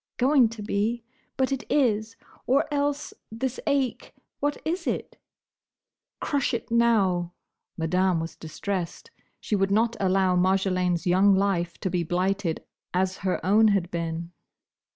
"Going to be! But it is! Or else, this ache? What is it?" "Crush it now!" Madame was distressed. She would not allow Marjolaine's young life to be blighted as her own had been.